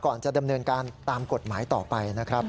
จะดำเนินการตามกฎหมายต่อไปนะครับ